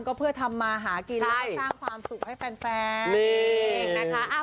ก็เพื่อทำมาหากินแล้วก็สร้างความสุขให้แฟนนะคะ